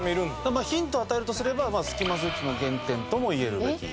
まあヒントを与えるとすればスキマスイッチの原点とも言えるべき。